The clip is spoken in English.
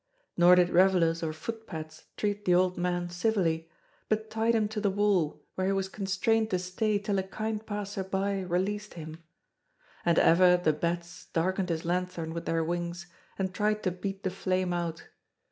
Nor did revellers or footpads treat the old man, civilly, but tied him to the wall, where he was constrained to stay till a kind passerby released him. And ever the bats darkened his lanthorn with their wings and tried to beat the flame out.